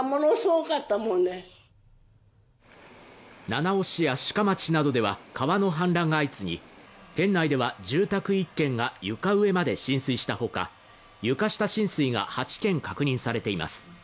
七尾市や志賀町などでは川の氾濫が相次ぎ、県内では住宅１軒が床上まで浸水したほか床下浸水が８軒確認されています。